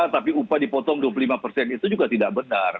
tapi upah dipotong dua puluh lima persen itu juga tidak benar